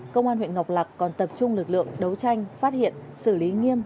công an huyện ngọc lạc còn tập trung lực lượng đấu tranh phát hiện xử lý nghiêm